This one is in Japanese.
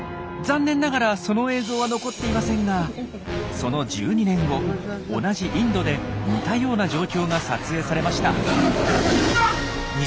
残念ながらその映像は残っていませんがその１２年後同じインドで似たような状況が撮影されました。